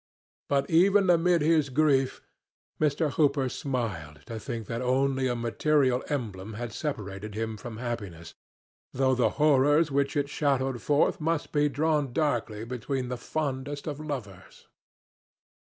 But even amid his grief Mr. Hooper smiled to think that only a material emblem had separated him from happiness, though the horrors which it shadowed forth must be drawn darkly between the fondest of lovers.